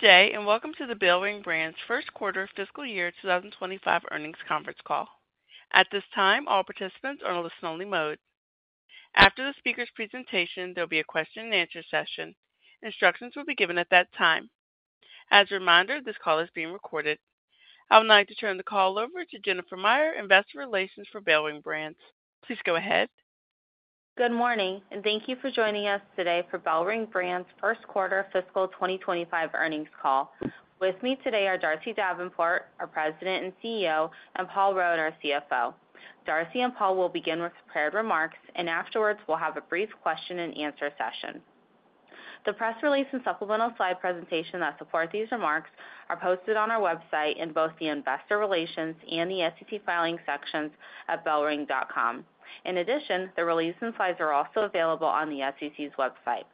Good day and welcome to the BellRing Brands' first quarter fiscal year 2025 earnings conference call. At this time all participants are in listen-only mode. After the speaker's presentation there will be a question and answer session. Instructions will be given at that time. As a reminder, this call is being recorded. I would like to turn the call over to Jennifer Meyer, Investor Relations for BellRing Brands. Please go ahead. Good morning and thank you for joining us today for BellRing Brands first quarter fiscal 2025 earnings call. With me today are Darcy Davenport, our President and CEO, and Paul Rode, our CFO. Darcy and Paul will begin with prepared remarks and afterwards we'll have a brief question and answer session. The press release and supplemental slide presentation that support these remarks are posted on our website in both the Investor Relations and the SEC filing sections at bellring.com. In addition, the release and slides are also available on the SEC's website.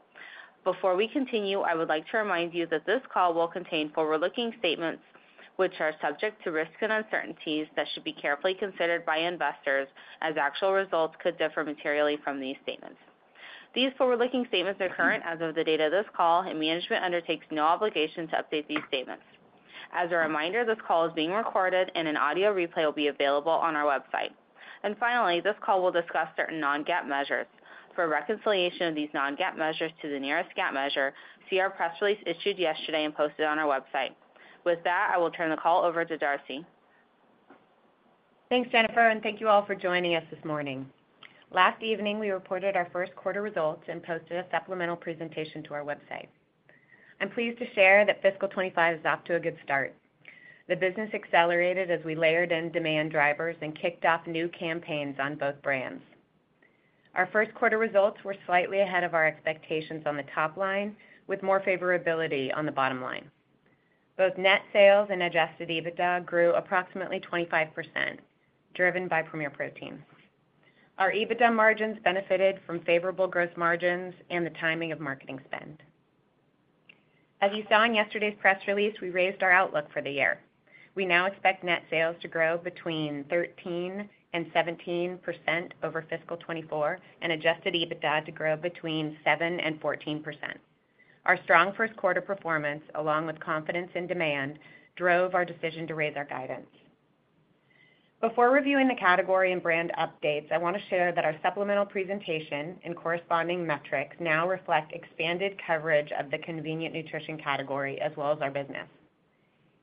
Before we continue, I would like to remind you that this call will contain forward-looking statements which are subject to risks and uncertainties that should be carefully considered by investors as actual results could differ materially from these statements. These forward-looking statements are current as of the date of this call and management undertakes no obligation to update these statements. As a reminder, this call is being recorded and an audio replay will be available on our website. And finally, this call will discuss certain non-GAAP measures. For a reconciliation of these non-GAAP measures to the nearest GAAP measure, see our press release issued yesterday and posted on our website. With that, I will turn the call over to Darcy. Thanks, Jennifer, and thank you all for joining us this morning. Last evening, we reported our first quarter results and posted a supplemental presentation to our website. I'm pleased to share that Fiscal 2025 is off to a good start. The business accelerated as we layered in demand drivers and kicked off new campaigns on both brands. Our first quarter results were slightly ahead of our expectations on the top line with more favorability on the bottom line. Both net sales and adjusted EBITDA grew approximately 25% driven by Premier Protein. Our EBITDA margins benefited from favorable gross margins and the timing of marketing spend. As you saw in yesterday's press release, we raised our outlook for the year. We now expect net sales to grow between 13% and 17% over fiscal 2024 and adjusted EBITDA to grow between 7% and 14%. Our strong first quarter performance along with confidence in demand drove our decision to raise our guidance. Before reviewing the category and brand updates, I want to share that our supplemental presentation and corresponding metrics now reflect expanded coverage of the convenient nutrition category as well as our business.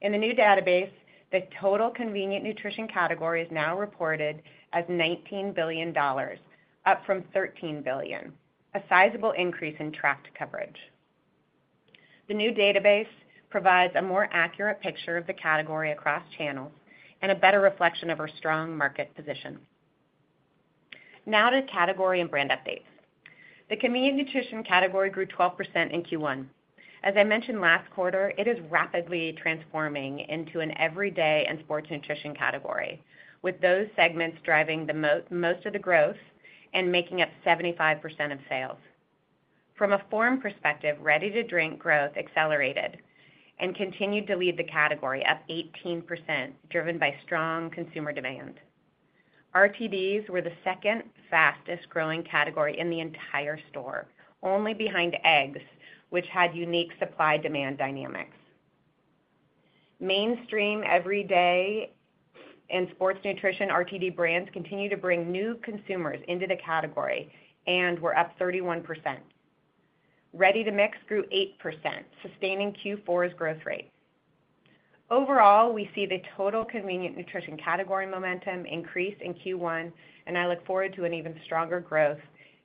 And in the new database, the total convenient nutrition category is now reported as $19 billion, up from $13 billion, a sizable increase in track coverage. The new database provides a more accurate picture of the category across channels and a better reflection of our strong market position. Now to category and brand updates. The convenient nutrition category grew 12% in Q1 as I mentioned last quarter. It is rapidly transforming into an everyday and sports nutrition category with those segments driving most of the growth and making up 75% of sales. From a form perspective, ready-to-drink growth accelerated and continued to lead the category up 18% driven by strong consumer demand. RTDs were the second fastest growing category in the entire store, only behind eggs which had unique supply demand dynamics. Mainstream everyday and sports nutrition RTD brands continue to bring new consumers into the category and were up 31%. Ready-to-mix grew 8%, sustaining Q4's growth rate. Overall, we see the total convenient nutrition category momentum increase in Q1 and I look forward to an even stronger growth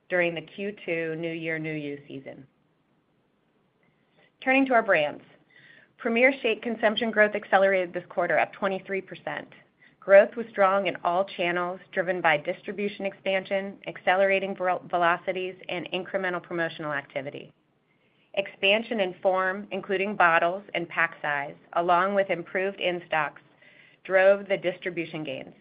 during the Q2 New Year New You season. Turning to our brands, Premier Shake consumption growth accelerated this quarter up 23%. Growth was strong in all channels driven by distribution expansion, accelerating velocities and incremental promotional activity. Expansion in form including bottles and pack size along with improved in stocks drove the distribution gains.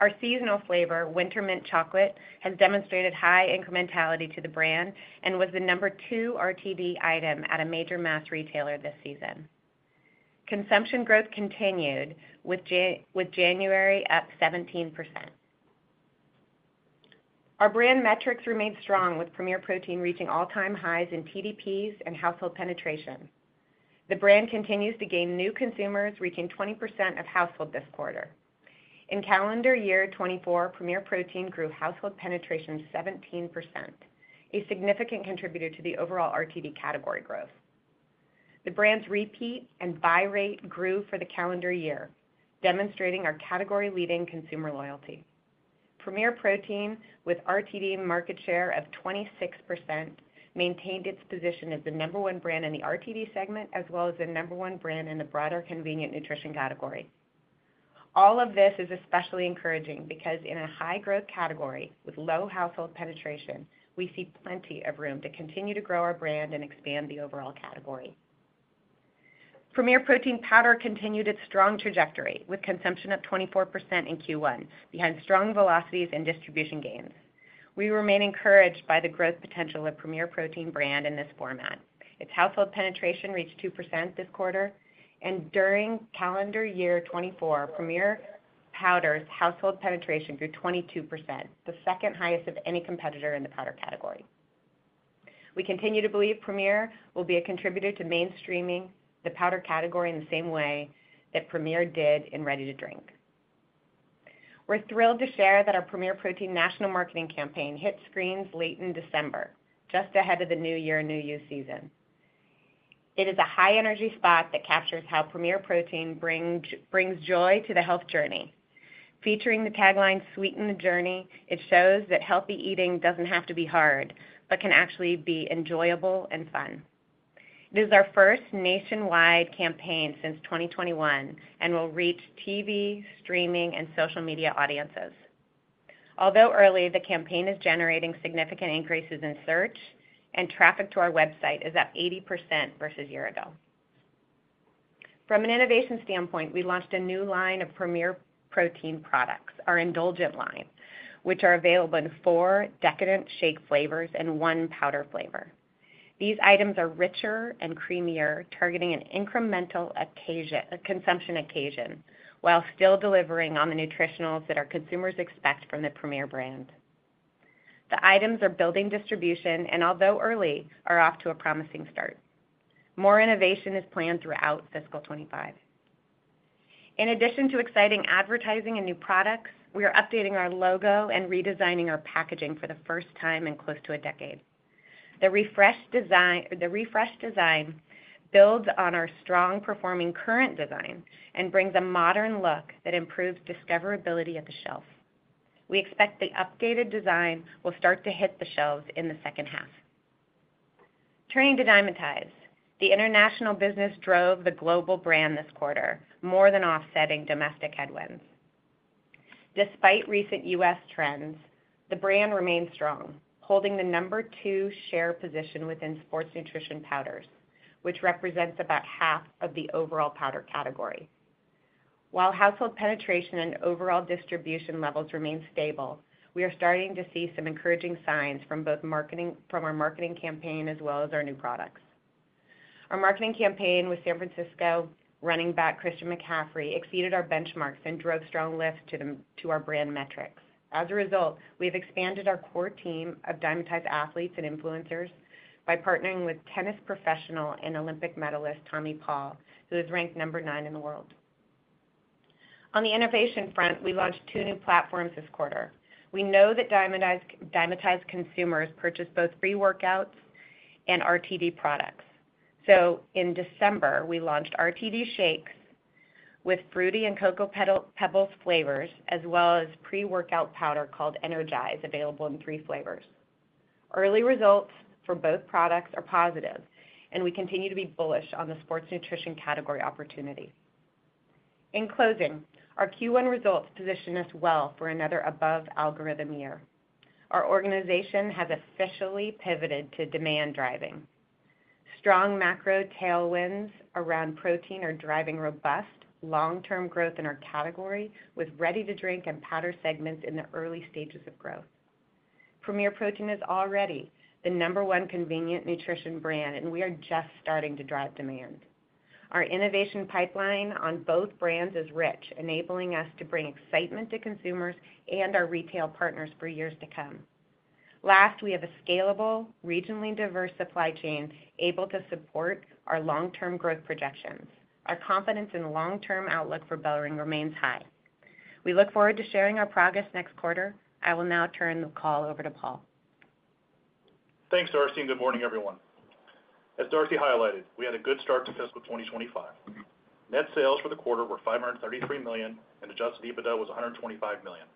Our seasonal flavor Winter Mint Chocolate has demonstrated high incrementality to the brand and was the number two RTD item at a major mass retailer this season. Consumption growth continued with January up 17%. Our brand metrics remained strong with Premier Protein reaching all-time highs in TDPs and household penetration. The brand continues to gain new consumers reaching 20% of households this quarter. In calendar year 2024, Premier Protein grew household penetration 17%, a significant contributor to the overall RTD category growth. The brand's repeat and buy rate grew for the calendar year demonstrating our category leading consumer loyalty. Premier Protein with RTD market share of 26% maintained its position as the number one brand in the RTD segment as well as the number one brand in the broader convenient nutrition category. All of this is especially encouraging because in a high growth category with low household penetration, we see plenty of room to continue to grow our brand and expand the overall category. Premier Protein powder continued its strong trajectory with consumption of 24% in Q1 behind strong velocities and distribution gains. We remain encouraged by the growth potential of Premier Protein brand in this format. Its household penetration reached 2% this quarter and during calendar year 2024, Premier Powder's household penetration grew 22%, the second highest of any competitor in the powder category. We continue to believe Premier will be a contributor to mainstreaming the powder category in the same way that Premier did in ready-to-drink. We're thrilled to share that our Premier Protein national marketing campaign hit screens late in December just ahead of the New Year season. It is a high energy spot that captures how Premier Protein brings joy to the health journey. Featuring the tagline Sweeten the Journey, it shows that healthy eating doesn't have to be hard, but can actually be enjoyable and fun. It is our first nationwide campaign since 2021 and will reach TV streaming and social media audiences. Although early, the campaign is generating significant increases in search, and traffic to our website is up 80% versus a year ago. From an innovation standpoint, we launched a new line of Premier Protein products, our Indulgent line, which are available in four decadent shake flavors and one powder flavor. These items are richer and creamier, targeting an incremental consumption occasion while still delivering on the nutritionals that our consumers expect from the Premier brand. The items are building distribution and, although early, are off to a promising start. More innovation is planned throughout Fiscal 2025. In addition to exciting advertising and new products, we are updating our logo and redesigning our packaging for the first time in close to a decade. The refreshed design builds on our strong performing current design and brings a modern look that improves discoverability of the shelf. We expect the updated design will start to hit the shelves in the second half. Turning to Dymatize, the international business drove the global brand this quarter more than offsetting domestic headwinds. Despite recent U.S. trends, the brand remains stronghold, holding the number two share position within sports nutrition powders which represents about half of the overall powder category. While household penetration and overall distribution levels remain stable, we are starting to see some encouraging signs from our marketing campaign as well as our new products. Our marketing campaign with San Francisco running back Christian McCaffrey exceeded our benchmarks and drove strong lifts to our brand metrics. As a result, we have expanded our core team of Dymatize athletes and influencers by partnering with tennis professional and Olympic medalist Tommy Paul, who is ranked number nine in the world. On the innovation front, we launched two new platforms this quarter. We know that Dymatize consumers purchase both pre-workouts and RTD products, so in December we launched RTD shakes with Fruity Pebbles and Cocoa Pebbles flavors as well as pre-workout powder called Energize, available in three flavors. Early results for both products are positive and we continue to be bullish on the sports nutrition category opportunity. In closing, our Q1 results position us well for another above-average year. Our organization has officially pivoted to demand driving strong macro tailwinds around protein are driving robust long term growth in our category with ready-to-drink and powder segments in the early stages of growth. Premier Protein is already the number one convenient nutrition brand and we are just starting to drive demand. Our innovation pipeline on both brands is rich, enabling us to bring excitement to consumers and our retail partners for years to come. Last, we have a scalable, regionally diverse supply chain able to support our long term growth projections. Our confidence in the long term outlook for BellRing remains high. We look forward to sharing our progress next quarter. I will now turn the call over to Paul. Thanks, Darcy, and good morning, everyone. As Darcy highlighted, we had a good start to fiscal 2025. Net sales for the quarter were $533 million and adjusted EBITDA was $125 million.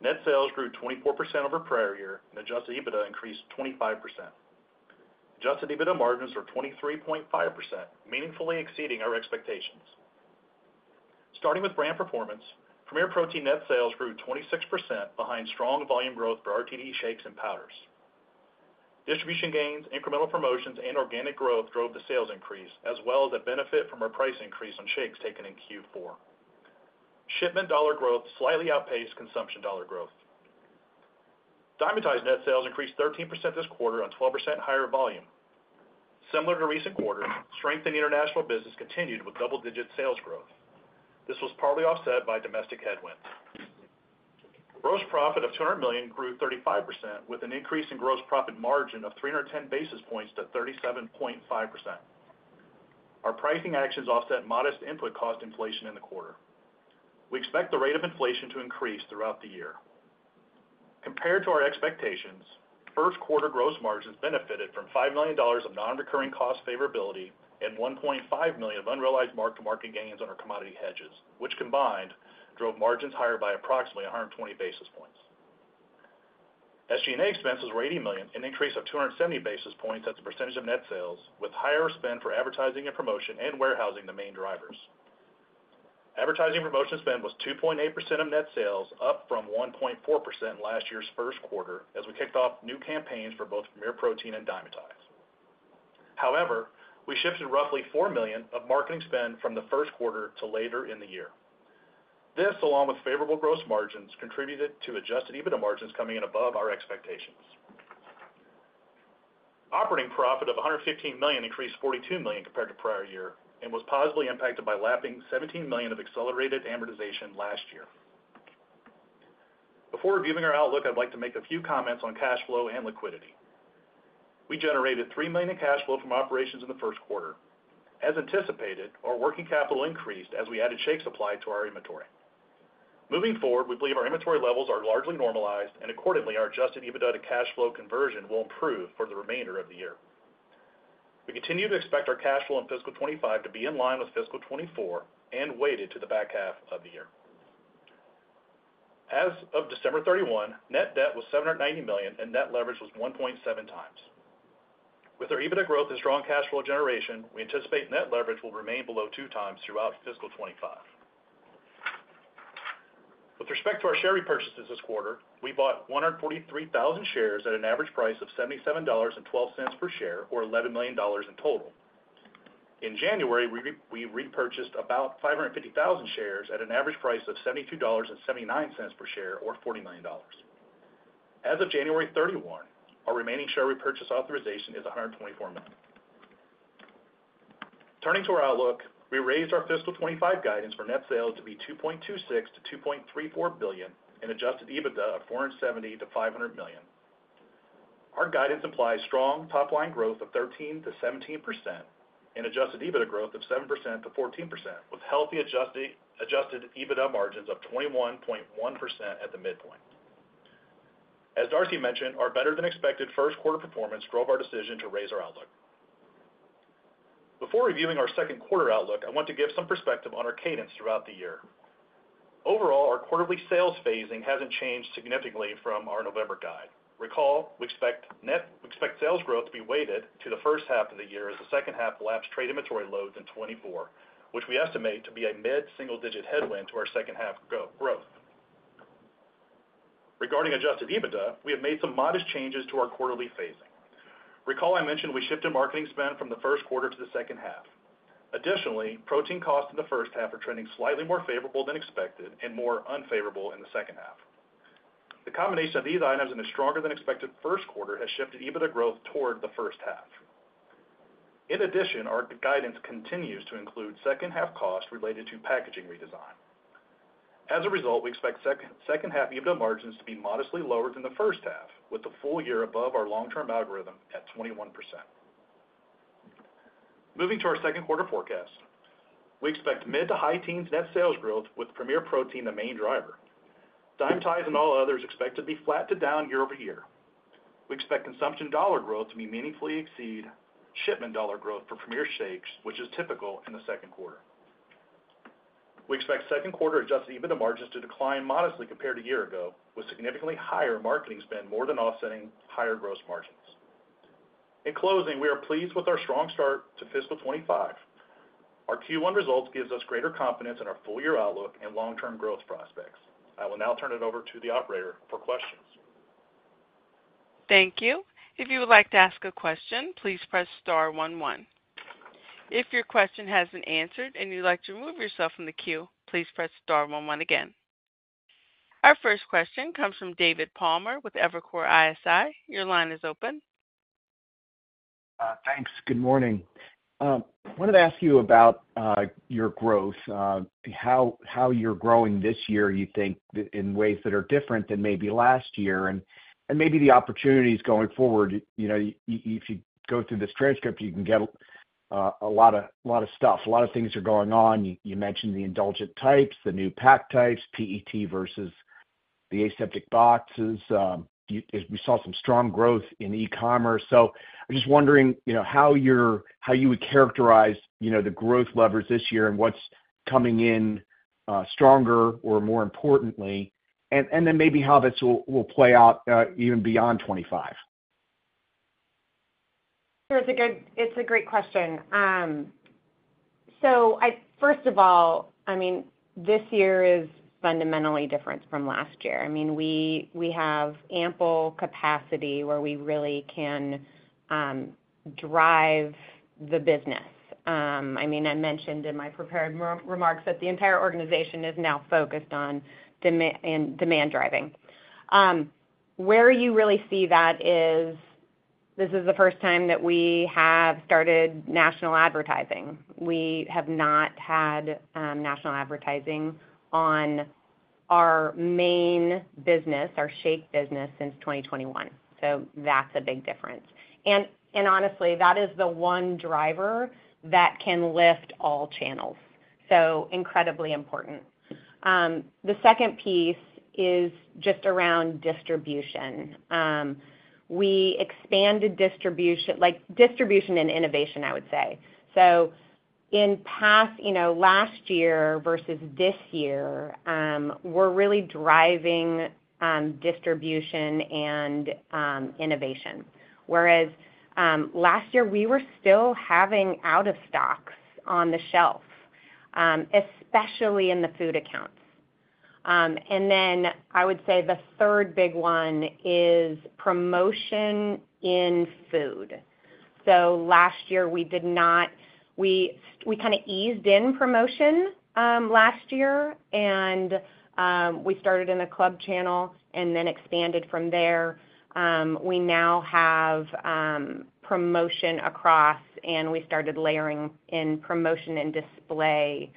Net sales grew 24% over prior year and adjusted EBITDA increased 25%. Adjusted EBITDA margins were 23.5%, meaningfully exceeding our expectations. Starting with brand performance, Premier Protein net sales grew 26% behind strong volume growth for RTD shakes and powders, distribution gains. Incremental promotions and organic growth drove the sales increase as well as the benefit from our price increase on shakes taken in Q4. Shipment dollar growth slightly outpaced consumption dollar growth. Dymatize net sales increased 13% this quarter on 12% higher volume. Similar to recent quarters, strength in the international business continued with double digit sales growth. This was partly offset by domestic headwinds. Gross profit of $200 million grew 35% with an increase in gross profit margin of 310 bps to 37.5%. Our pricing actions offset modest input cost inflation in the quarter. We expect the rate of inflation to increase throughout the year compared to our expectations. First quarter gross margins benefited from $5 million of nonrecurring cost favorability and $1.5 million of unrealized mark to market gains on our commodity hedges which combined drove margins higher by approximately 120 bps. SG&A expenses were $80 million, an increase of 270 bps as a percentage of net sales with higher spend for advertising and promotion and warehousing the main drivers. Advertising and promotion spend was 2.8% of net sales up from 1.4% in last year's first quarter as we kicked off new campaigns for both Premier Protein and Dymatize. However, we shifted roughly four million of marketing spend from the first quarter to later in the year. This along with favorable gross margins contributed to Adjusted EBITDA margins coming in above our expectations. Operating profit of $115 million increased $42 million compared to prior year and was positively impacted by lapping $17 million of accelerated amortization last year. Before reviewing our outlook, I'd like to make a few comments on cash flow and liquidity. We generated $3 million in cash flow from operations in the first quarter. As anticipated, our working capital increased as we added shake supply to our inventory. Moving forward, we believe our inventory levels are largely normalized and accordingly our Adjusted EBITDA to cash flow conversion will improve for the remainder of the year. We continue to expect our cash flow in fiscal 2025 to be in line with fiscal 2024 and weighted to the back half of the year. As of December 31, net debt was $790 million and net leverage was 1.7 times. With our EBITDA growth and strong cash flow generation, we anticipate net leverage will remain below two times throughout fiscal 2025. With respect to our share repurchases this quarter, we bought 143,000 shares at an average price of $77.12 per share or $11 million in total. In January we repurchased about 550,000 shares at an average price of $72.79 per share or $40 million as of January 31. Our remaining share repurchase authorization is $124 million. Turning to our outlook, we raised our fiscal 2025 guidance for net sales to be $2.26 billion to $2.34 billion and Adjusted EBITDA of $470 million to $500 million. Our guidance implies strong top line growth of 13% to 17% and adjusted EBITDA growth of 7% to 14% with healthy adjusted EBITDA margins of 21.1% at the midpoint. As Darcy mentioned, our better than expected first quarter performance drove our decision to raise our outlook. Before reviewing our second quarter outlook, I want to give some perspective on our cadence throughout the year. Overall, our quarterly sales phasing hasn't changed significantly from our November guidance recall. We expect net sales growth to be weighted to the first half of the year as the second half lapsed trade inventory loads in 2024, which we estimate to be a mid single digit headwind to our second half growth. Regarding adjusted EBITDA, we have made some modest changes to our quarterly phasing. Recall I mentioned. We shifted marketing spend from the first quarter to the second half. Additionally, protein costs in the first half are trending slightly more favorable than expected and more unfavorable in the second half. The combination of these items in a stronger than expected first quarter has shifted EBITDA growth toward the first half. In addition, our guidance continues to include second half costs related to packaging redesign. As a result, we expect second half EBITDA margins to be modestly lower than the first half with the full year above our long term algorithm at 21%. Moving to our second quarter forecast, we expect mid to high teens net sales growth with Premier Protein the main driver, Dymatize and all others expect to be flat to down year over year. We expect consumption dollar growth to meaningfully exceed shipment dollar growth for Premier shakes which is typical in the second quarter. We expect second quarter Adjusted EBITDA margins to decline modestly compared a year ago with significantly higher marketing spend more than offsetting higher gross margins. In closing, we are pleased with our strong start to Fiscal 2025. Our Q1 results gives us greater confidence in our full year outlook and long term growth prospects. I will now turn it over to the operator for questions. Thank you. If you would like to ask a question, please press star one one. If your question hasn't been answered and you would like to remove yourself from the queue, please press star one one again. Our first question comes from David Palmer with Evercore ISI. Your line is open. Thanks. Good morning. I wanted to ask you about your growth. How you're growing this year, you think in ways that are different than maybe last year and maybe the opportunities going forward. If you go through this transcript, you can get a lot of stuff. A lot of things are going on. You mentioned the Indulgent types, the new pack types, PET versus the aseptic boxes. We saw some strong growth in e-commerce. So I'm just wondering how you would characterize the growth levers this year and what's coming in stronger or more importantly and then maybe how this will play out even beyond 2025? It's a great question. So first of all, I mean this year is fundamentally different from last year. I mean we have ample capacity where we really can drive the business. I mean I mentioned in my prepared remarks that the entire organization is now focused on demand driving. Where you really see that is this is the first time that we have started national advertising. We have not had national advertising on our main business, our shake business since 2021. So that's a big difference. And honestly, that is the one driver that can lift all channels so incredibly important. The second piece is just around distribution. We expanded distribution like distribution and innovation. I would say so in past last year versus this year we're really driving distribution and innovation. Whereas last year we were still having out of stocks on the shelf, especially in the food accounts. And then I would say the third big one is promotion in food. So last year we did not. We kind of eased in promotion last year and we started in the club channel and then expanded from there. We now have promotion across and we started layering in promotion and display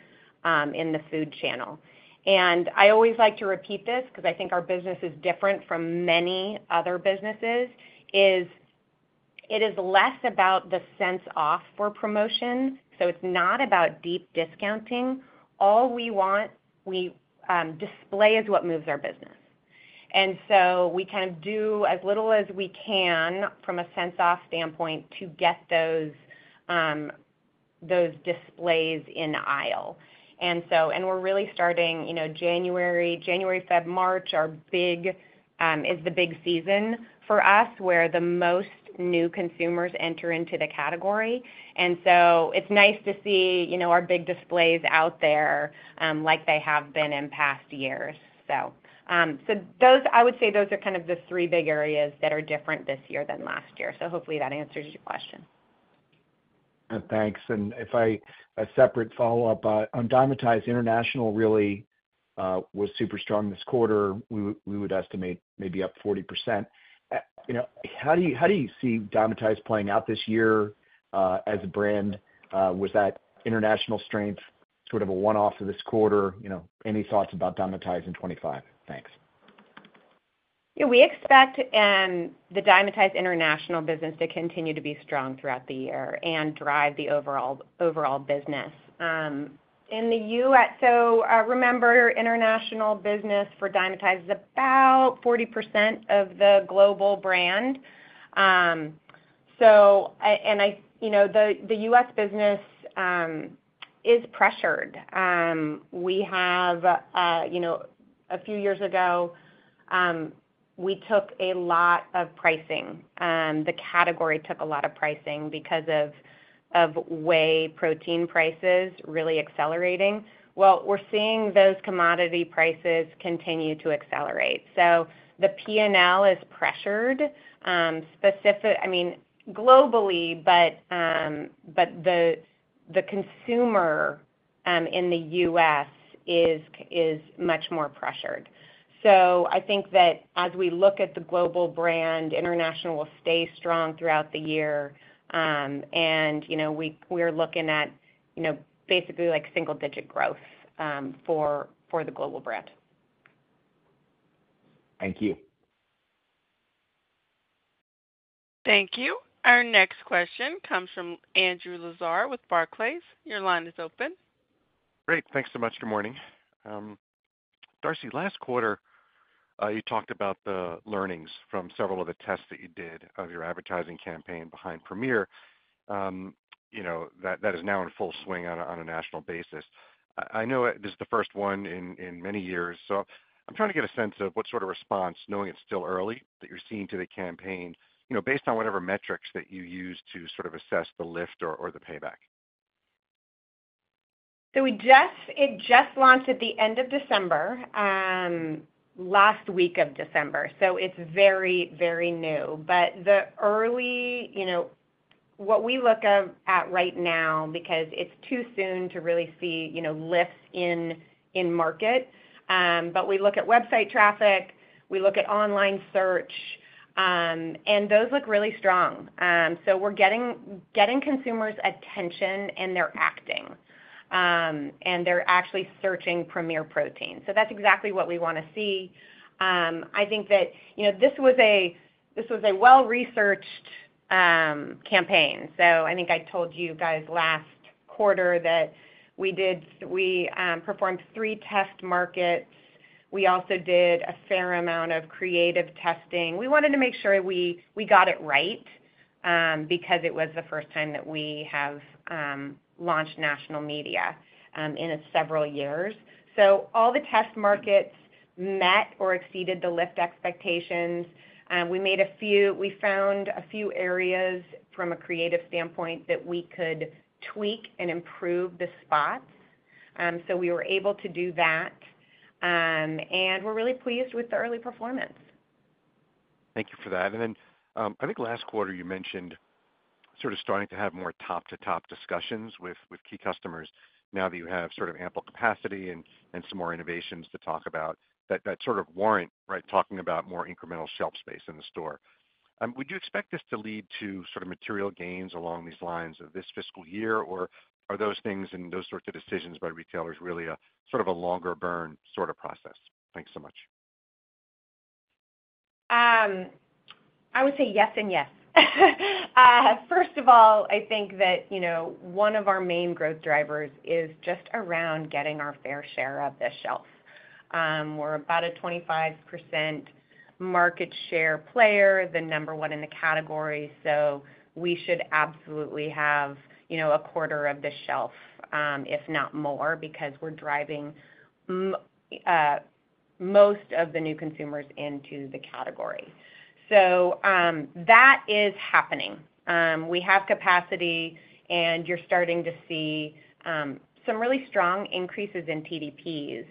in the food channel. And I always like to repeat this because I think our business is different from many other businesses is it is less about the cents off for promotion. So it's not about deep discounting. All we want we display is what moves our business. And so we kind of do as little as we can from a cents off standpoint to get those displays in aisle. And we're really starting January, January, February, March is the big season for us where the most new consumers enter into the category. It's nice to see our big displays out there like they have been in past years. I would say those are kind of the three big areas that are different this year than last year. Hopefully that answers your question. Thanks. And if I have a separate follow-up on Dymatize. International really was super strong this quarter. We would estimate maybe up 40%. How do you see Dymatize playing out this year as a brand? Was that international strength? Sort of a one-off this quarter. Any thoughts about Dymatize in 2025? Thanks. We expect the Dymatize international business to continue to be strong throughout the year and drive the overall business in the U.S., so remember, international business for Dymatize is about 40% of the global brand. The U.S. business is pressured. A few years ago we took a lot of pricing. The category took a lot of pricing because of whey protein prices really accelerating, well, we're seeing those commodity prices continue to accelerate, so the P&L is pressured, I mean globally, but the consumer in the U.S. is much more pressured, so I think that as we look at the global brand, international will stay strong throughout the year, and we are looking at basically like single digit growth for the global brand. Thank you. Thank you. Our next question comes from Andrew Lazar with Barclays. Your line is open. Great. Thanks so much. Good morning. Darcy. Last quarter you talked about the learnings from several of the tests that you did of your advertising campaign behind Premier that is now in full swing on a national basis. I know this is the first one in many years. So I'm trying to get a sense of what sort of response, knowing it's still early that you're seeing to the campaign based on whatever metrics that you use to sort of assess the lift or the payback? So it just launched at the end of December, last week of December. So it's very, very new. But the early what we look at right now, because it's too soon to really see lifts in market, but we look at website traffic, we look at online search and those look really strong. So we're getting consumers attention and they're acting and they're actually searching Premier Protein. So that's exactly what we want to see. I think that this was a well researched campaign. So I think I told you guys last quarter that we performed three test markets. We also did a fair amount of creative testing. We wanted to make sure we got it right because it was the first time that we have launched national media in several years. So all the test markets met or exceeded the lift expectations. We found a few areas from a creative standpoint that we could tweak and improve the spots, so we were able to do that and we're really pleased with the early performance. Thank you for that. And then I think last quarter you mentioned sort of starting to have more top-to-top discussions with key customers. Now that you have sort of ample capacity and some more innovations to talk about that sort of warrant talking about more incremental shelf space in the store. Would you expect this to lead to sort of material gains along these lines of this fiscal year? Or are those things and those sorts of decisions by retailers really a sort of a longer burn sort of process? Thanks so much. I would say yes and yes. First of all, I think that one of our main growth drivers is just around getting our fair share of the shelf. We're about a 25% market share player, the number one in the category. So we should absolutely have a quarter of the shelf, if not more because we're driving most of the new consumers into the category. So that is happening. We have capacity and you're starting to see some really strong increases in TDPs.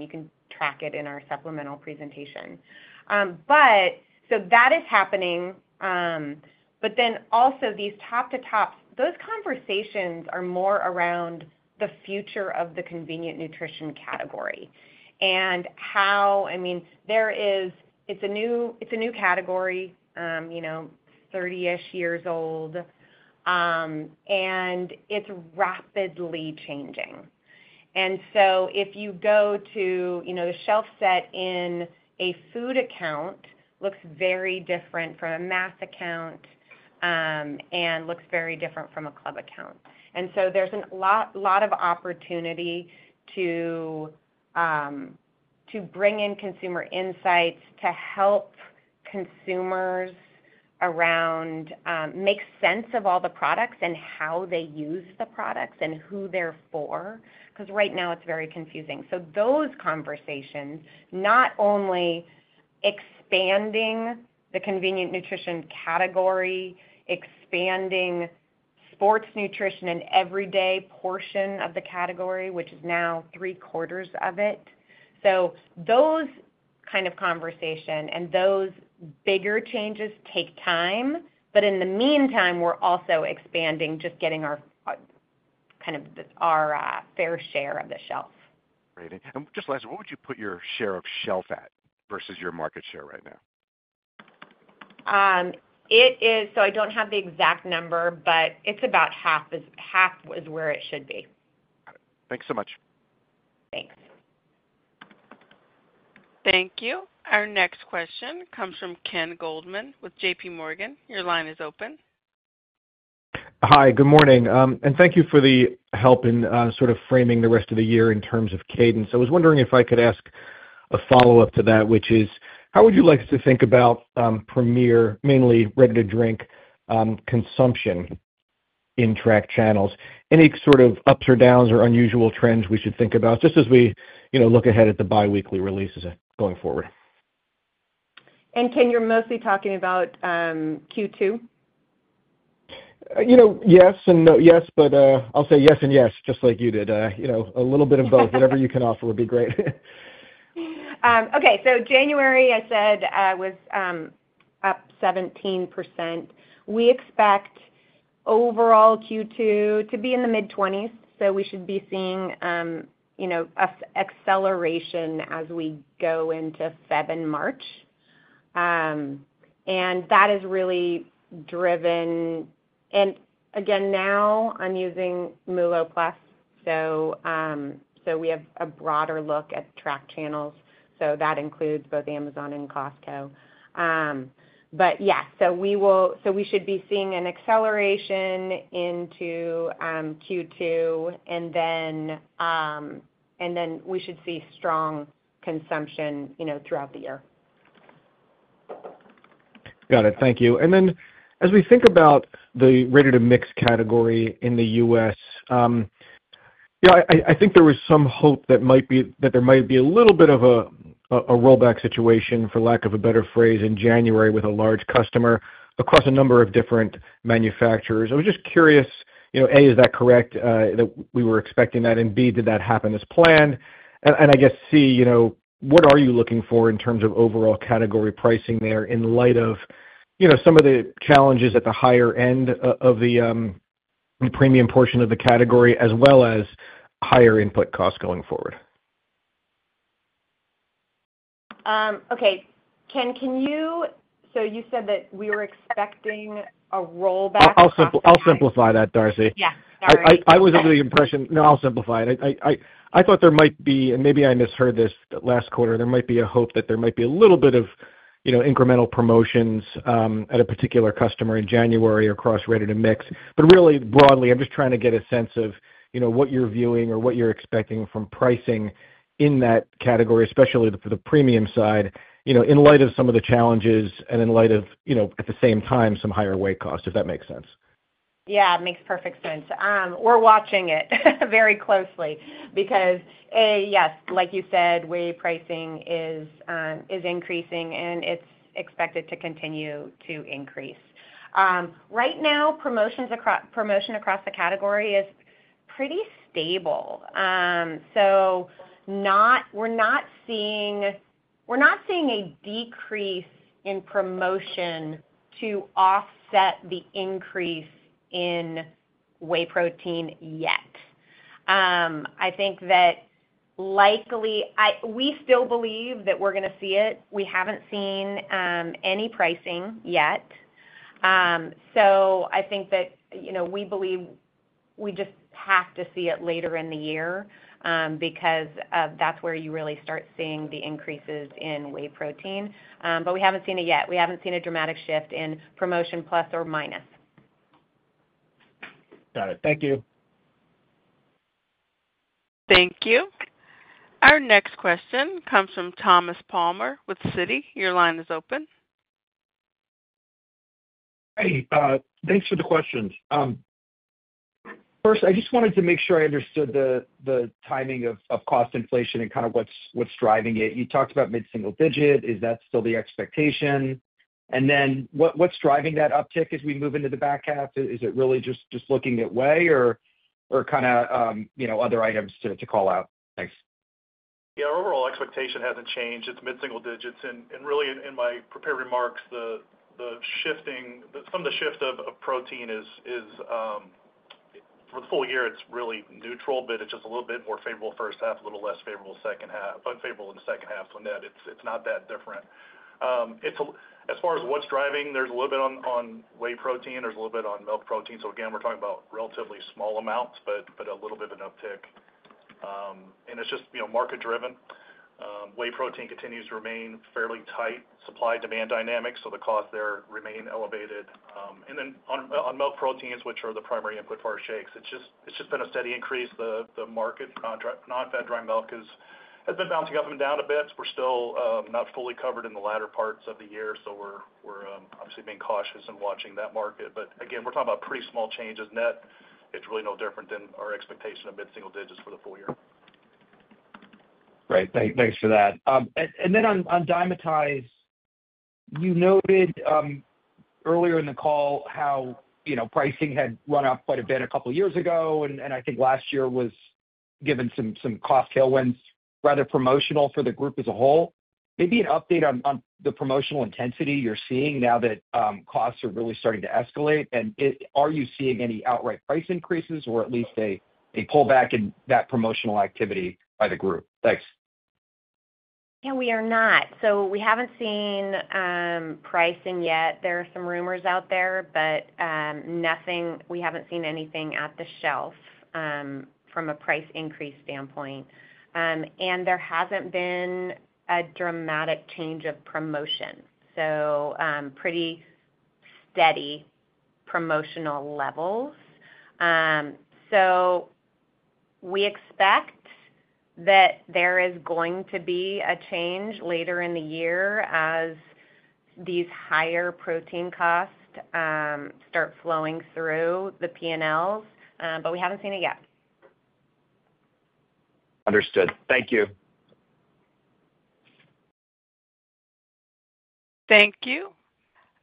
You can track it in our supplemental presentation. So that is happening. But then also these top-to-tops, those conversations are more around the future of the convenient nutrition category and how, I mean there is, it's a new category, you know, 30-ish years old and it's rapidly changing. And so, if you go to the shelf set in a food account, looks very different from a mass account and looks very different from a club account. And so, there's a lot of opportunity. To. Bring in consumer insights to help consumers around make sense of all the products and how they use the products and who they're for. Because. Because right now it's very confusing. So those conversations, not only expanding the convenient nutrition category, expanding sports nutrition and everyday portion of the category, which is now 3/4 of it. So those kind of conversation and those bigger changes take time. But in the meantime, we're also expanding, just getting our kind of our fair share of the shelf. Just last, what would you put your share of shelf at versus your market share? Right now? It is. I don't have the exact number, but it's about half is where it should be. Thanks so much. Thanks. Thank you. Our next question comes from Kenneth Goldman with J.P. Morgan. Your line is open. Hi, good morning, and thank you for the help in sort of framing the rest of the year in terms of cadence. I was wondering if I could ask a follow-up to that, which is how would you like us to think about Premier, mainly ready-to-drink consumption in tracked channels? Any sort of ups or downs or unusual trends we should think about just as we look ahead at the biweekly releases going forward? Ken, you're mostly talking about Q2. Yes and no. Yes, but I'll say yes and yes. Just like you did a little bit of both. Whatever you can offer would be great. Okay, so January, I said, was up 17%. We expect overall Q2 to be in the mid-20s%. So we should be seeing acceleration as we go into February and March. And that is really driven. And again, now I'm using MULO+, so we have a broader look at tracked channels. So that includes both Amazon and Costco. But yes, so we should be seeing an acceleration into Q2 and then we should see strong consumption throughout the year. Got it. Thank you. And then as we think about the ready-to-mix category in the U.S. I think there was some hope that there might be a little bit of a rollback situation, for lack of a better phrase, in January with a large customer across a number of different manufacturers. I was just curious, A, is that correct that we were expecting that? A and B, did that happen as planned? And I guess C, what are you looking for in terms of overall category pricing there in light of some of the challenges at the higher end of the premium portion of the category, as well as higher input costs going forward? Okay, Ken. So you said that we were expecting a rollback. Darcy, I'll simplify it. I thought there might be, and maybe I misheard this last quarter, there might be a hope that there might be a little bit of incremental promotions at a particular customer in January across RTD and mix. But really broadly, I'm just trying to get a sense of what you're viewing or what you're expecting from pricing in that category, especially for the premium side in light of some of the challenges and, at the same time, some higher whey cost, if that makes sense. Yeah, it makes perfect sense. We're watching it very closely because yes, like you said, whey pricing is increasing and it's expected to continue to increase. Right now promotion across the category is pretty stable. So we're not seeing a decrease in promotion to offset the increase in whey protein yet. I think that likely. We still believe that we're going to see it. We haven't seen any pricing yet, so I think that we believe we just have to see it later in the year because that's where you really start seeing the increases in whey protein. But we haven't seen it yet. We haven't seen a dramatic shift in promotion. Plus or minus. Got it. Thank you. Thank you. Our next question comes from Thomas Palmer with Citi. Your line is open. Hey, thanks for the questions. First I just wanted to make sure I understood the timing of cost inflation and kind of what's driving it. You talked about mid-single-digit. Is that still the expectation and then what's driving that uptick as we move into the back half? Is it really just whey or kind of other items to call out? Thanks. Yeah, our overall expectation hasn't changed. It's mid single digits and really in my prepared remarks, the shifting, some of the shift of protein is for the full year it's really neutral, but it's just a little bit more favorable first half, a little less favorable second half, unfavorable in the second half. So Ned, it's not that different as far as what's driving. There's a little bit on whey protein, there's a little bit on milk protein. So again we're talking about relatively small amounts but a little bit of an uptick and it's just market driven. Whey protein continues to remain fairly tight supply demand dynamics so the costs there remain elevated. And then on milk proteins which are the primary input for our shakes, it's just been a steady increase. The market nonfat dry milk has been bouncing up and down a bit. We're still not fully covered in the latter parts of the year. So we're obviously being cautious and watching that market. But again, we're talking about pretty small changes net. It's really no different than our expectation of mid single digits for the full year. Right, thanks for that. And then on Dymatize, you noted earlier in the call how pricing had run up quite a bit a couple years ago. And I think last year was given some cost tailwinds, rather promotional for the group as a whole. Maybe an update on the promotional intensity. You're seeing now that costs are really starting to escalate. And are you seeing any outreach, price increases or at least a pullback in that promotional activity by the group? Thanks. Yeah, we are not. So we haven't seen pricing yet. There are some rumors out there, but nothing. We haven't seen anything at the shelf from a price increase standpoint and there hasn't been a dramatic change of promotion. So pretty steady promotional levels. So we expect that there is going to be a change later in the year as these higher protein costs start flowing through the P&Ls, but we haven't seen it yet. Understood. Thank you. Thank you.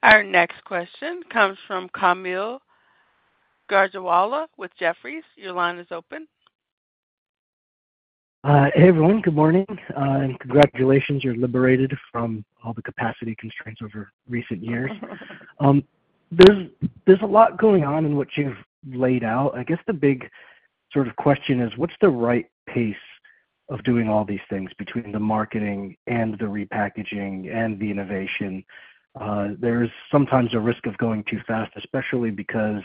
Our next question comes from Kaumil Gajrawala with Jefferies. Your line is open. Hey everyone. Good morning and congratulations. You're liberated from all the capacity constraints over recent years. There's a lot going on in what you've laid out. I guess the big sort of question is what's the right pace of doing all these things? Between the marketing and the repackaging and the innovation, there is sometimes a risk of going too fast, especially because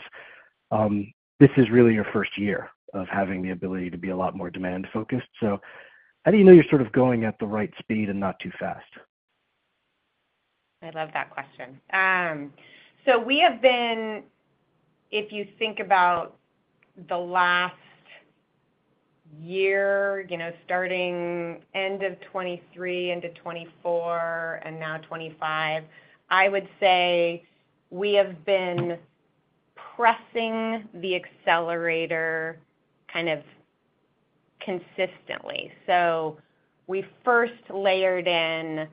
this is really your first year of having the ability to be a lot more demand focused. So how do you know you're sort of going at the right speed and not too fast? I love that question. So we have been, if you think about the last year starting end of 2023 into 2024 and now 2025, I would say we have been pressing the accelerator kind of consistently. So we first layered in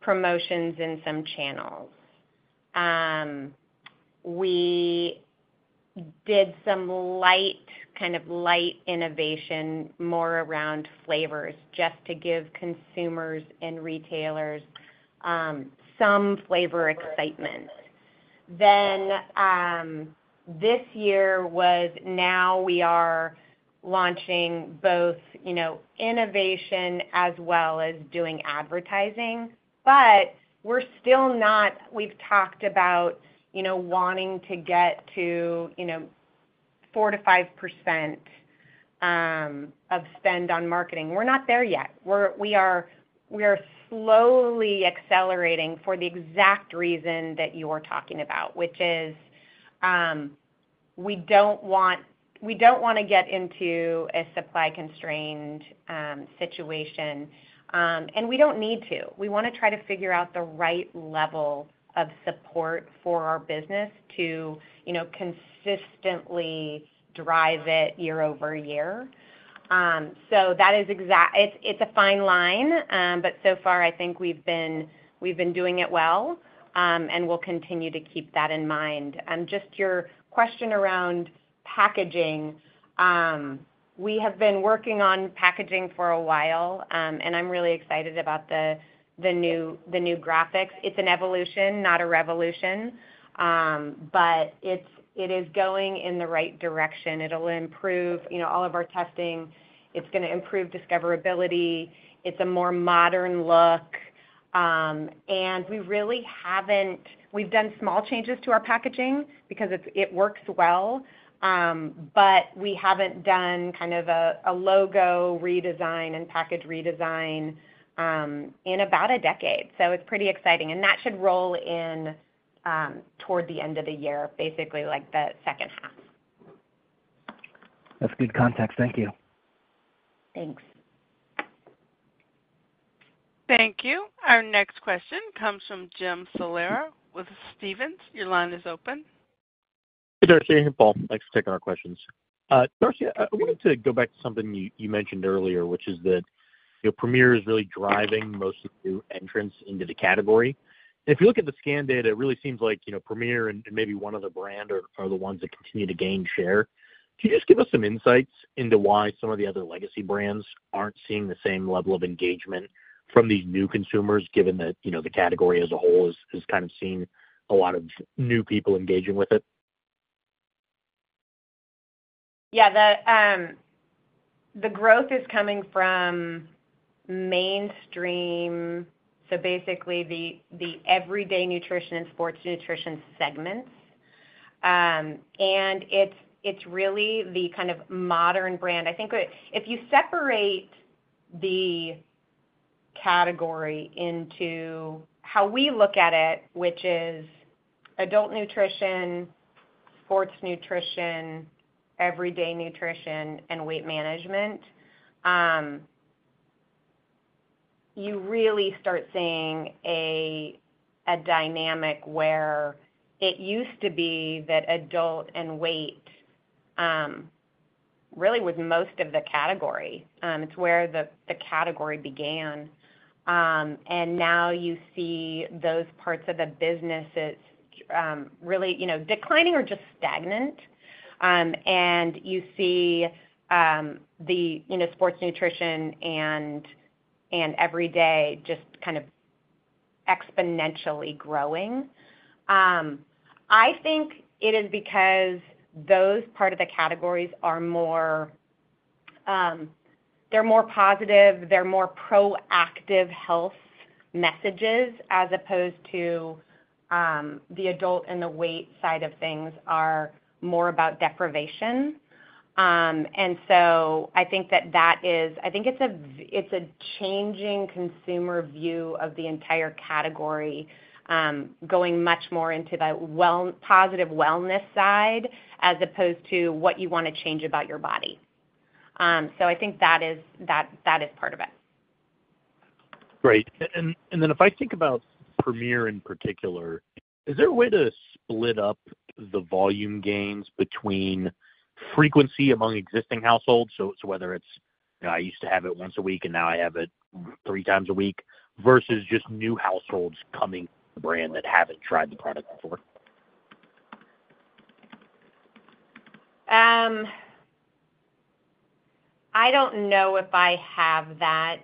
promotions in some channels. We did some light, kind of light innovation, more around flavors just to give consumers and retailers some flavor excitement. Then this year was. Now we are launching both innovation as well as doing advertising, but we're still not. We've talked about wanting to get to 4% to 5% of spend on marketing. We're not there yet. We are slowly accelerating for the exact reason that you're talking about, which is we don't want to get into a supply constrained situation and we don't need to. We want to try to figure out the right level of support for our business to consistently drive it year over year. So that is exactly. It's a fine line. But so far I think we've been doing it well and we'll continue to keep that in mind. Just your question around packaging. We have been working on packaging for a while and I'm really excited about the new graphics. It's an evolution, not a revolution, but it is going in the right direction. It will improve all of our testing. It's going to improve discoverability. It's a more modern look, and we really haven't. We've done small changes to our packaging because it works well, but we haven't done kind of a logo redesign and package redesign in about a decade. So it's pretty exciting, and that should roll in toward the end of the year, basically, like the second half. That's good context. Thank you. Thank you. Thank you. Our next question comes from Jim Salera with Stephens. Your line is open. Hey, Darcy, Paul, thanks for taking our questions. Darcy, I wanted to go back to something you mentioned earlier, which is that Premier is really driving most of the new entrants into the category. If you look at the scan data. It really seems like Premier and maybe. One other brand are the ones that continue to gain share. Can you just give us some insights into why some of the other legacy brands aren't seeing the same level of? Engagement from these new consumers, given that the category as a whole has kind of seen a lot of new people engaging with it? Yeah, the growth is coming from mainstream. So basically the everyday nutrition and sports nutrition segments, and it's really the kind of modern brand. I think if you separate the category into how we look at it, which is adult nutrition, sports nutrition, everyday nutrition, and weight management, you really start seeing a dynamic where it used to be that adult and weight really was most of the category. It's where the category began. And now you see those parts of the business really declining or just stagnant. And you see the sports nutrition and everyday just kind of exponentially growing. I think it is because those parts of the categories are more. They're more positive, they're more proactive health messages as opposed to the adult and the weight side of things are more about deprivation. And so I think that that is. I think it's a changing consumer view of the entire category going much more into the positive wellness side as opposed to what you want to change about your body. So I think that is part of it. Great. And then if I think about Premier in particular. Is there a way to split up? The volume gains between frequency among existing households? Whether it's I used to have it once a week and now I have it three times a week versus just new households coming to the brand that haven't tried the product before. I don't know if I have that.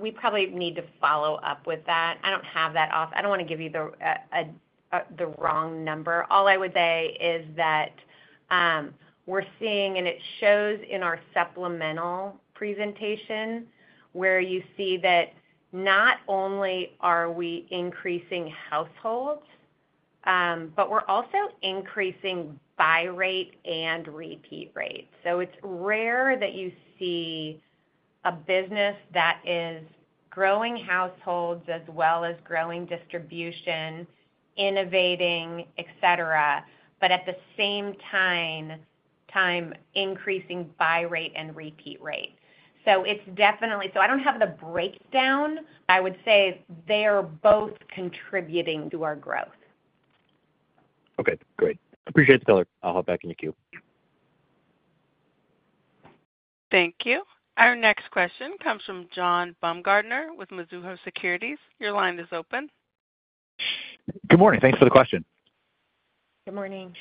We probably need to follow up with that. I don't have that. I don't want to give you the wrong number. All I would say is that, and it shows in our supplemental presentation where you see that not only are we increasing households, but we're also increasing buy rate and repeat rates, so it's rare that you see a business that is growing households as well as growing distribution, innovating, et cetera, et cetera, but at the same time increasing buy rate and repeat rate, so it's definitely so I don't have the breakdown. I would say they are both contributing to our growth. Okay, great. Appreciate the color. I'll hop back in the queue. Thank you. Our next question comes from John Baumgartner with Mizuho Securities. Your line is open. Good morning. Thanks for the question. Good morning,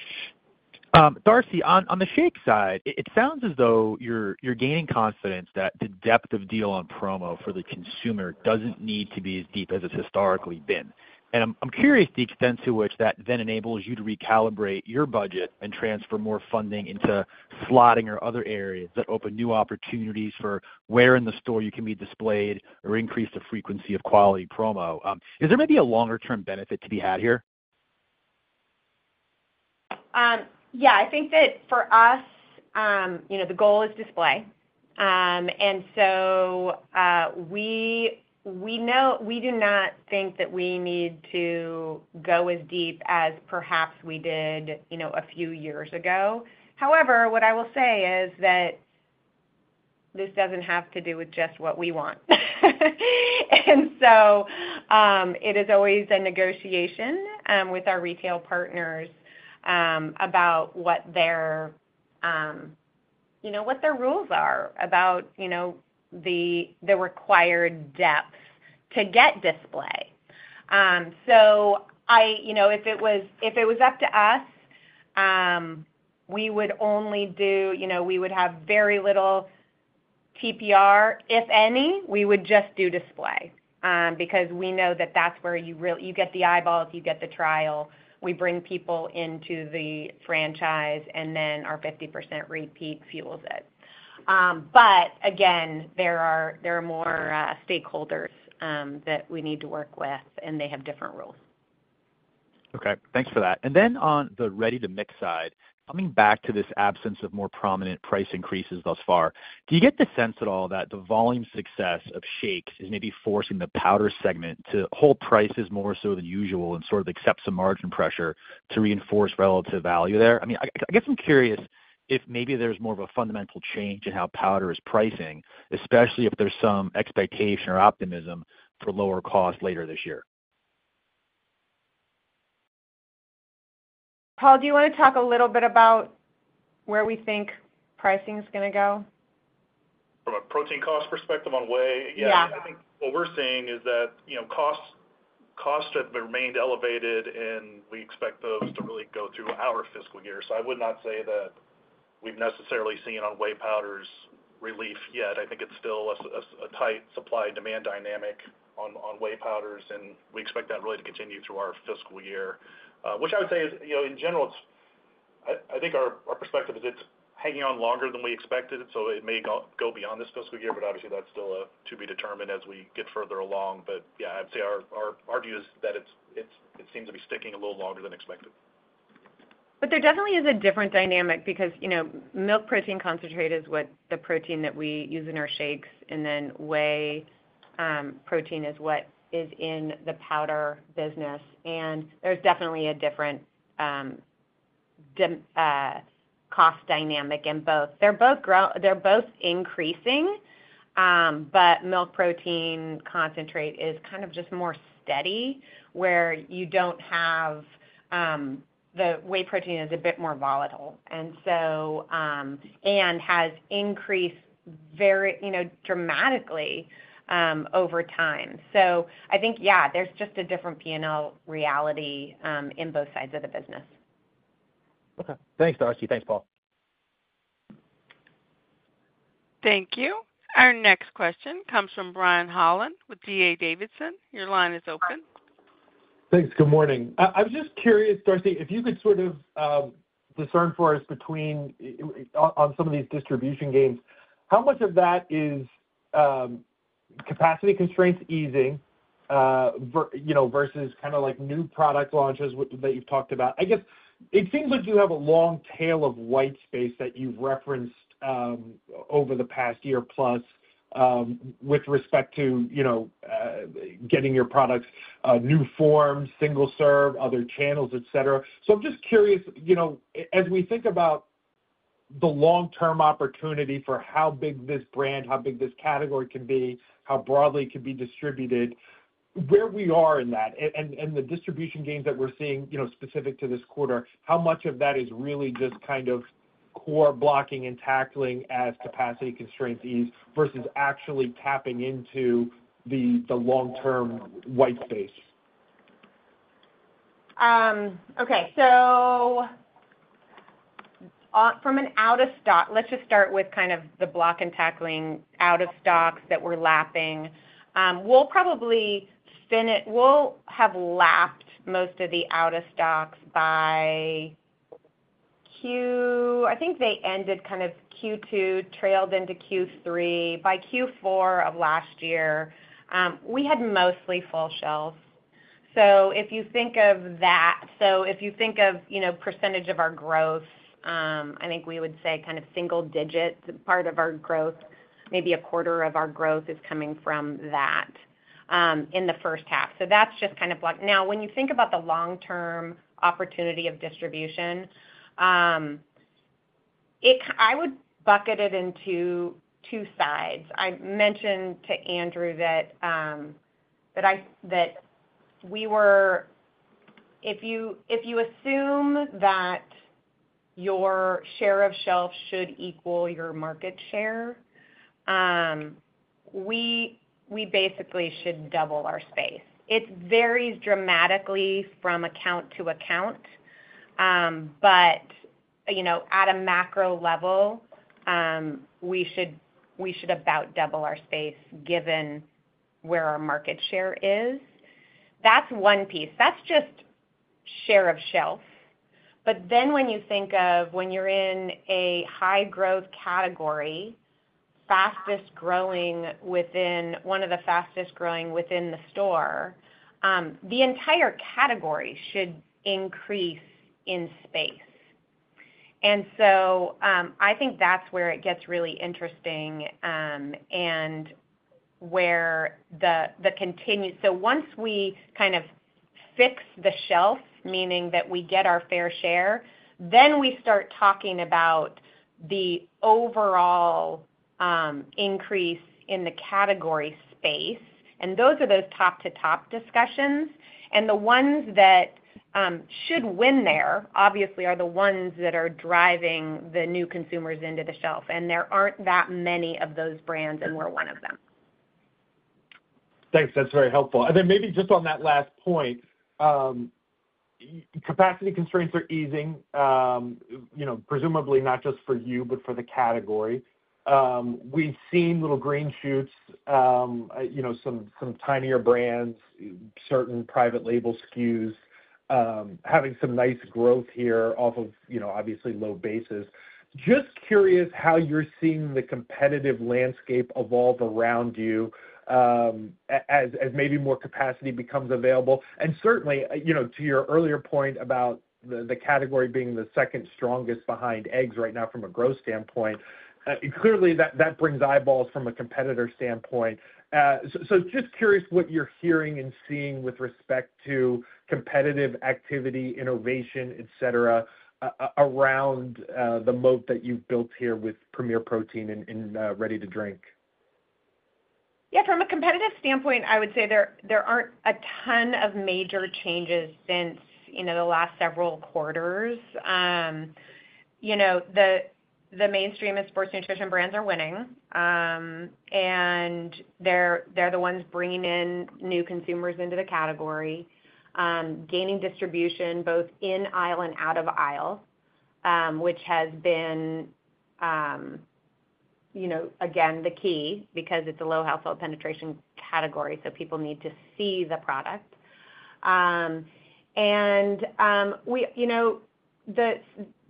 Darcy. On the shake side, it sounds as though you're gaining confidence that the depth. Of deal on promo for the consumer. Doesn't need to be as deep as it's historically been. I'm curious the extent to which that then enables you to recalibrate your budget and transfer more funding into slotting or other areas that open new opportunities. For promotion where in the store you. Can be displayed or increase the frequency of quality promo. Is there maybe a longer-term benefit? To be had here? Yeah, I think that for us the goal is display. And so we do not think that we need to go as deep as perhaps we did a few years ago. However, what I will say is that this doesn't have to do with just what we want. And so it is always a negotiation with our retail partners about what their rules are about the required depth to get display. So if it was up to us, we would only do, you know, we would have very little TPR, if any. We would just do display because we know that that's where you really, you get the eyeballs, you get the trial, we bring people into the franchise and then our 50% repeat fuels it. But again, there are more stakeholders that we need to work with and they have different rules. Okay, thanks for that. And then on the ready-to-mix side, coming back to this absence of more prominent price increases thus far, do you get the sense at all that the volume success of shakes is maybe forcing the powder segment to hold prices more so than usual and sort of? Accept some margin pressure to reinforce relative value there. I mean, I guess I'm curious if maybe there's more of a fundamental change in how powder is pricing, especially if there's some expectation or optimism for lower cost later this year. Paul, do you want to talk a little bit about where we think pricing? Is going to go from a protein cost perspective on whey? What we're seeing is that costs have remained elevated, and we expect those to really go through our fiscal year, so I would not say that we've necessarily seen on whey powders relief yet. I think it's still a tight supply demand dynamic on whey powders, and we expect that really to continue through our fiscal year, which I would say is, you know, in general, I think our perspective is it's hanging on longer than we expected, so it may go beyond this fiscal year. But obviously that's still to be determined as we get further along, but yeah, I'd say our view is that it seems to be sticking a little longer than expected. But there definitely is a different dynamic because, you know, milk protein concentrate is what the protein that we use in our shakes and then whey protein is what is in the powder business. And there's definitely a different cost dynamic in both. They're both increasing. But milk protein concentrate is kind of just more steady where you don't have the whey protein is a bit more volatile and so has increased very, you know, dramatically over time. So I think, yeah, there's just a different P&L reality in both sides of the business. Okay, thanks Darcy. Thanks, Paul. Thank you. Our next question comes from Brian Holland with D.A. Davidson. Your line is open. Thanks. Good morning. I was just curious, Darcy, if you could sort of for us on some of these distribution gains, how much of that is capacity constraints easing versus new product launches that you've talked about? It seems like you have a long tail of white space that you've referenced over the past year. Plus with respect to getting your products in new form, single serve, other channels, etc. I'm just curious as we think about the long-term opportunity for how big this brand, how big this category can be, how broadly it can be distributed, where we are in that and the distribution gains that we're seeing specific to this quarter, how much of that is really just kind of core blocking and tackling as capacity constraints ease versus actually tapping into the long-term white space? Okay, so from an out of stock, let's just start with kind of the blocking and tackling out of stocks that we're lapping. We'll probably have lapped most of the out of stocks by Q. I think they ended kind of Q2, trailed into Q3. By Q4 of last year we had mostly full shelves. So if you think of that, if you think of percentage of our growth, I think we would say kind of single digit part of our growth, maybe a quarter of our growth is coming from that in the first half. So that's just kind of, now when you think about the long-term opportunity of distribution I would bucket it into two sides. I mentioned to Andrew that we were, if you assume that your share of shelf should equal your market share, we basically should double our space. It varies dramatically from account to account, but at a macro level we should about double our space given where our market share is. That's one piece, that's just share of shelf. But then when you think of when you're in a high growth category, fastest growing within one of the fastest growing within the store, the entire category should increase in space. And so I think that's where it gets really interesting and where the continued. So once we kind of fix the shelf, meaning that we get our fair share, then we start talking about the overall increase in the category space and those are those top-to-top discussions and the ones that should win there obviously are the ones that are driving the new consumers into the shelf. And there aren't that many of those brands and we're one of them. Thanks, that's very helpful. And then maybe just on that last point, capacity constraints are easing, presumably not just for you, but for the category we've seen little green shoots, some tinier brands, certain private label SKUs having some nice growth here off of obviously low basis. Just curious how you're seeing the competitive landscape evolve around you as maybe more capacity becomes available. And certainly to your earlier point about the category being the second strongest behind eggs right now from a growth standpoint, clearly that brings eyeballs from a competitor standpoint. So just curious what you're hearing and seeing with respect to competitive activity, innovation, et cetera around the moat that you've built here with Premier Protein and ready-to-drink. Yeah, from a competitive standpoint I would say there aren't a ton of major changes since the last several quarters. You know the mainstream and sports nutrition brands are winning and they're the ones bringing in new consumers into the category, gaining distribution both in aisle and out of aisle, which has been again the key because it's a low household penetration category. So people need to see the product. And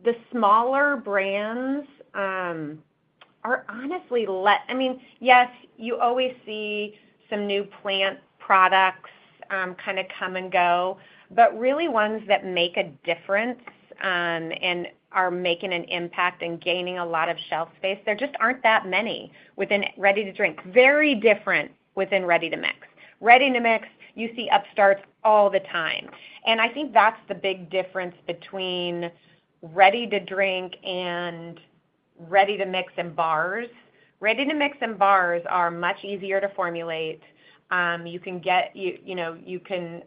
the smaller brands are honestly, yes. You always see some new plant products kind of come and go, but really ones that make a difference and are making an impact and gaining a lot of shelf space. There just aren't that many within ready-to-drink. Very different within ready-to-mix. ready-to-mix. You see upstarts all the time and I think that's the big difference between ready-to-drink and ready-to-mix in bars. ready-to-mix and bars are much easier to formulate. You can get, you know, you can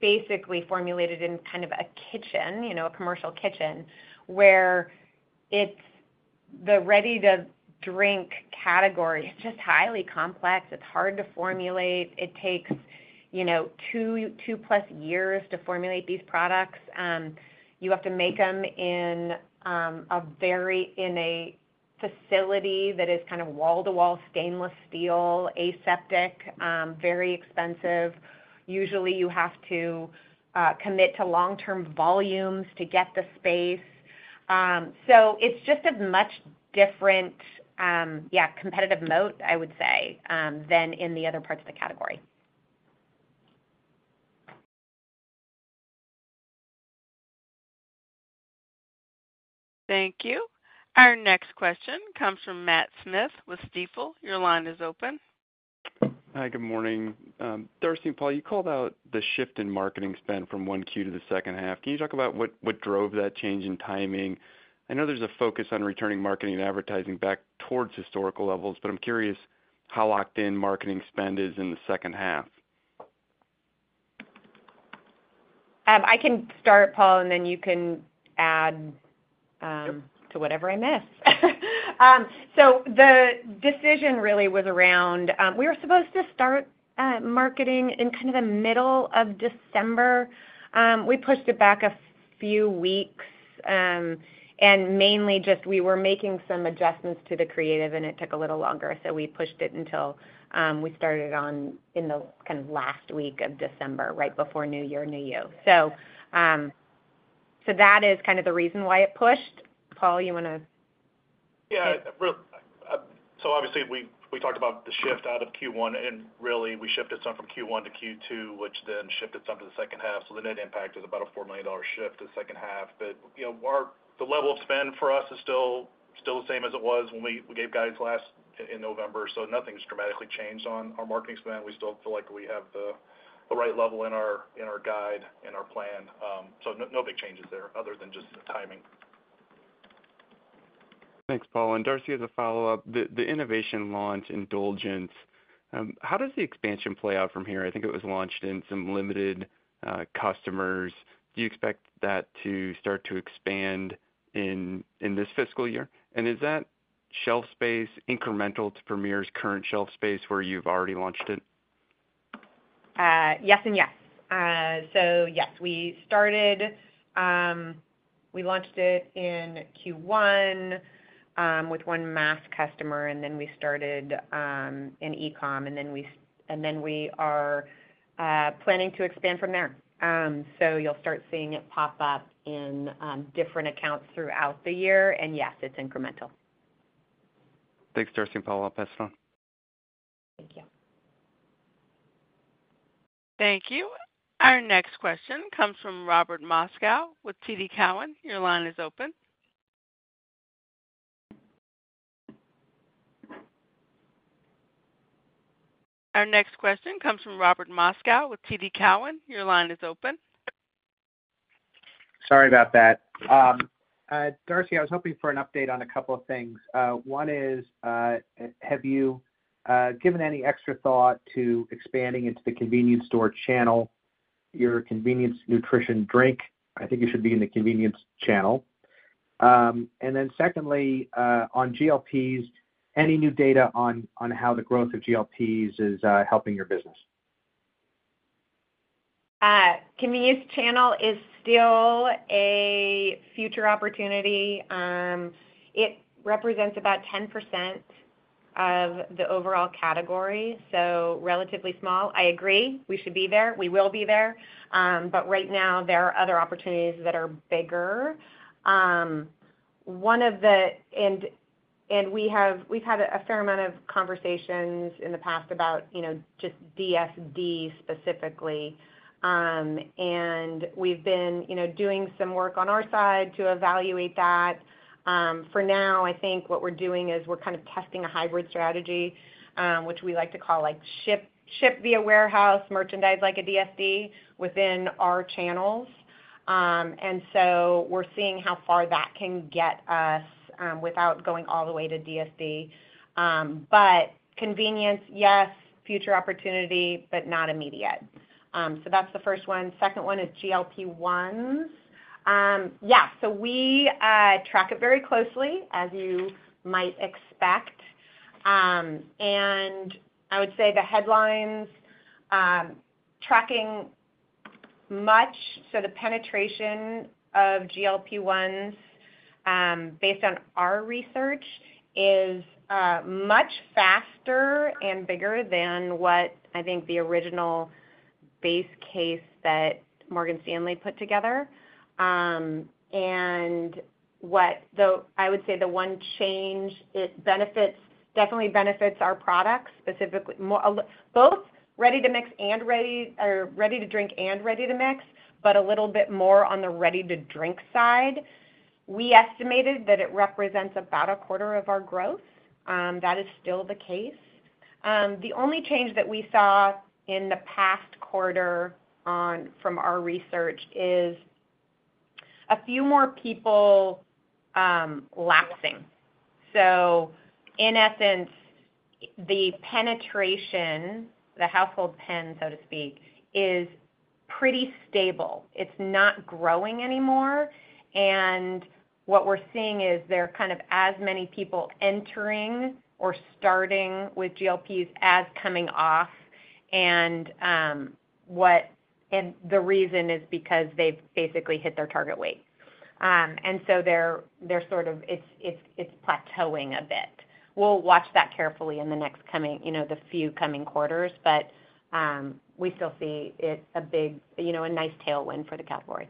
basically formulate it in kind of a kitchen, you know, a commercial kitchen where the ready-to-drink category, it's just highly complex. It's hard to formulate. It takes two plus years to formulate these products. You have to make them in a facility that is kind of wall to wall, stainless steel aseptic, very expensive. Usually you have to commit to long term volumes to get the speed. So it's just a much different competitive moat, I would say, than in the other parts of the category. Thank you. Our next question comes from Matthew Smith with Stifel. Your line is open. Hi, good morning. Darcy and Paul, you called out the shift in marketing spend from 1Q to the second half. Can you talk about what drove that change in timing? I know there's a focus on returning marketing and advertising back towards historical levels, but I'm curious how locked in marketing spend is in the second half. I can start Paul, and then you can add to whatever I miss. So the decision really was around. We were supposed to start marketing in kind of the middle of December. We pushed it back a few weeks and mainly just we were making some adjustments to the creative and it took a little longer. So we pushed it until we started on in the kind of last week of December, right before New Year, New You. So that is kind of the reason why it pushed. Paul, you want to. Yeah. So obviously we talked about the shift out of Q1 and really we shifted some from Q1 to Q2, which then shifted some to the second half. So the net impact is about a $4 million shift in the second half. But the level of spend for us is still the same as it was when we gave guidance last in November. So nothing's dramatically changed on our marketing spend. We still feel like we have the right level in our guide in our plan. So no big changes there other than just the timing. Thanks, Paul and Darcy. As a follow up, the innovation launch Indulgent, how does the expansion play out from here, I think it was launched in some limited customers. Do you expect that to start to expand in this fiscal year? And is that shelf space incremental to Premier's current shelf space where you've already launched it? Yes and yes. So, yes, we started. We launched it in Q1 with one mass customer and then we started in e-com and then we are planning to expand from there. So you'll start seeing it pop up in different accounts throughout the year. And yes, it's incremental. Thanks, Darcy and Paul. I'll pass it on. Thank you. Thank you. Our next question comes from Robert Moskow with TD Cowen. Your line is open. Sorry about that, Darcy. I was hoping for an update on a couple of things. One is, have you given any extra thought to expanding into the convenience store channel? Your convenience nutrition drink? I think it should be in the convenience channel. And then secondly on GLP-1s, any new data on how the growth of GLP-1s is helping your business? Convenience channel is still a future opportunity. It represents about 10% of the overall category, so relatively small. I agree we should be there. We will be there. But right now there are other opportunities that are bigger. And we've had a fair amount of conversations in the past about just DSD specifically, and we've been doing some work on our side to evaluate that. For now, I think what we're doing is we're kind of testing a hybrid strategy which we like to call ship via warehouse merchandise, like a DSD, within our channels. And so we're seeing how far that can get us without going all the way to DSD. But convenience, yes. Future opportunity, but not immediate. So that's the first one. Second one is GLP-1s. Yeah. So we track it very closely, as you might expect. And I would say the headlines tracking much, so the penetration of GLP-1s based on our research is much faster and bigger than what I think the original base case that Morgan Stanley put together. And I would say the one change it benefits, definitely benefits our products both ready-to-mix and ready-to-drink and ready-to-mix. But a little bit more on the ready-to-drink side. We estimated that it represents about a quarter of our growth. That is still the case. The only change that we saw in the past quarter from our research is a few more people lapsing. So in essence, the penetration, the household penetration, so to speak, is pretty stable. It's not growing anymore. And what we're seeing is there are kind of as many people entering or starting with GLP-1s as coming off. And what. And the reason is because they've basically hit their target weight, and so they're sort of plateauing a bit. We'll watch that carefully in the next coming, you know, the few coming quarters. But we still see it a big, you know, a nice tailwind for the category.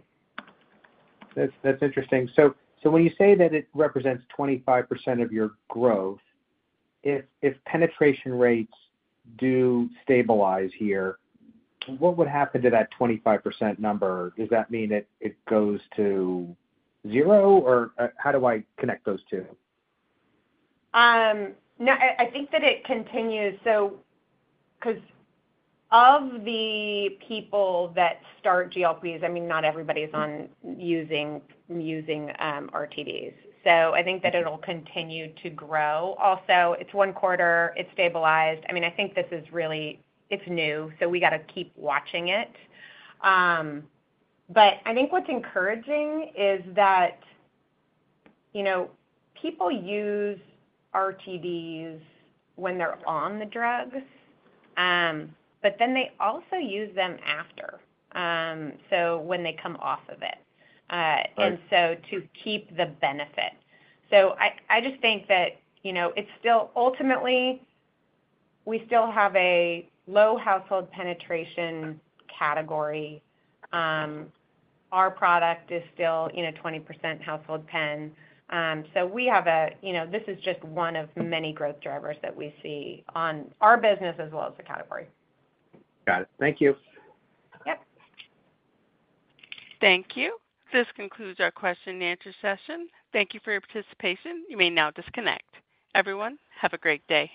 That's interesting. So when you say that it represents 25% of your growth, if penetration rates do stabilize here, what would happen to that 25% number? Does that mean it goes to zero? Or how do I connect those two? I think that it continues because of the people that start GLPs. I mean, not everybody's using RTDs, so I think that it will continue to grow. Also, it's one quarter. It stabilized. I mean, I think this is really. It's new, so we got to keep watching it, but I think what's encouraging is that people use RTDs when they're on the drugs, but then they also use them after, so when they come off of it and so to keep the benefit, so I just think that, you know, it's still. Ultimately, we still have a low household penetration category. Our product is still, you know, 20% household pen. So we have a, you know, this is just one of many growth drivers that we see on our business as well as the category. Got it. Thank you. Thank you. This concludes our question and answer session. Thank you for your participation. You may now disconnect, everyone. Have a great day.